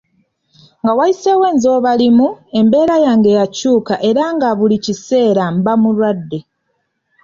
Nga wayiseewo ezzooba limu, embeera yange yakyuka era nga buli kiseera mba mulwadde.